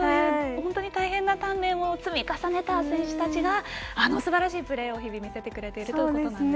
本当に大変な鍛錬を積み重ねた選手たちがあのすばらしいプレーを日々、見せてくれているということですね。